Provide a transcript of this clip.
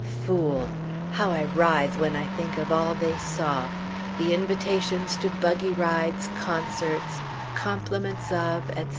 Fool! how I writhe when I think of all they saw; the invitations to buggy rides, concerts, "Compliments of," etc.